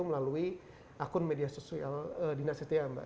melalui akun media sosial dinas sda mbak